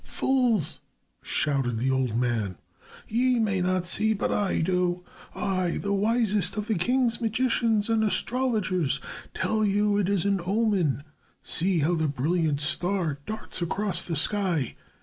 "Fools," shouted the old man, "ye may not see, but I do. I, the wisest of the king's magicians and astrologers, tell you it is an omen. See how the brilliant star darts across the sky!